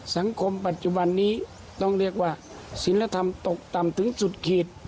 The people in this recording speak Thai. สังคมปัจจุบันนี้ต้องเรียกว่าศิลธรรมตกต่ำถึงสุดขีด